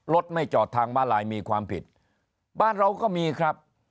รถไม่จอดทางมาลายมีความผิดบ้านเราก็มีครับ